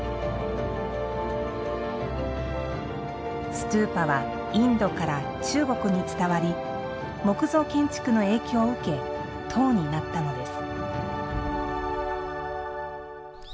ストゥーパはインドから中国に伝わり木造建築の影響を受け塔になったのです。